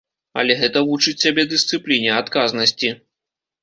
Але гэта вучыць цябе дысцыпліне, адказнасці.